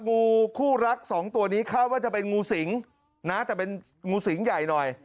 งูคู่รักสองตัวนี้คาดว่าจะเป็นงูสิงนะแต่เป็นงูสิงใหญ่หน่อย